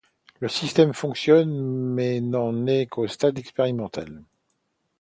Le système fonctionne mais n'en est qu'au stade expérimental.